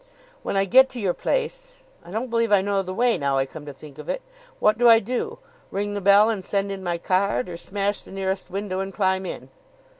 "When I get to your place I don't believe I know the way, now I come to think of it what do I do? Ring the bell and send in my card? or smash the nearest window and climb in?"